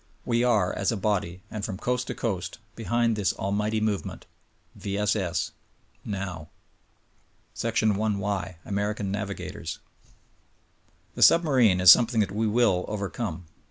We are, as a body, and from coast to coast, behind this almighty move ment ! V. S. S.— Now! 1 Y. American — Navigators. The submarine is something that we will overcome.